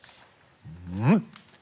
うん？